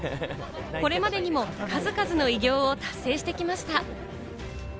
これまでにも数々の偉業を達成してきました。